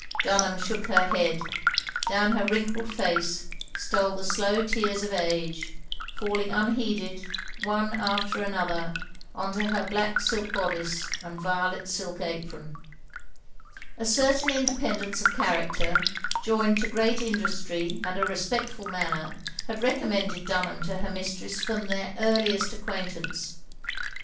Dunham shook her head. Down her wrinkled face stole the slow tears of age, falling unheeded, one after another, on to her black silk bodice and violet silk apron. A certain independence of character, joined to great industry and a respectful manner, had recommended Dtmham to her ndstress from their earliest acquaintance.